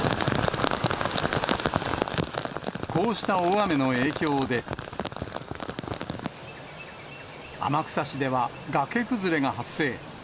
こうした大雨の影響で、天草市では崖崩れが発生。